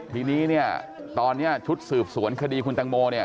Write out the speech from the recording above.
ทีนี้เนี่ยตอนนี้ชุดสืบสวนคดีคุณตังโมเนี่ย